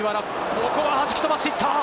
ここは弾き飛ばしていった！